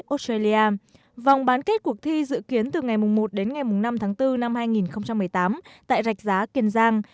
vòng bán kết cuộc thi dự kiến từ ngày một đến ngày năm tháng bốn năm hai nghìn một mươi tám tại rạch giá kiên giang